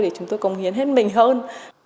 để chúng tôi công hiến hết mình hơn